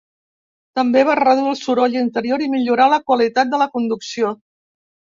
També va reduir el soroll interior i millorar la qualitat de la conducció.